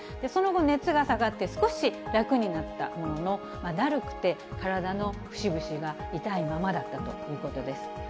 その後、熱が下がって少し楽になったものの、だるくて、体の節々が痛いままだったということです。